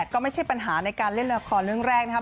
ก็ไม่ใช่ปัญหาในการเล่นละครเรื่องแรกนะครับ